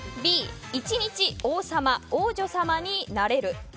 Ｂ、１日王様、王女様になれる。